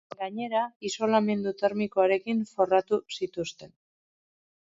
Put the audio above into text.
Gainera, isolamendu termikoarekin forratu zituzten.